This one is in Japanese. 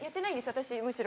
私むしろ。